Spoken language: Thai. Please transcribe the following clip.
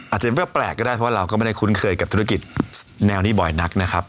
อาจจะเป็นว่าแปลกก็ได้เพราะว่าเราก็ไม่ได้คุ้นเคยกับธุรกิจแนวนี้บ่อยนักนะครับ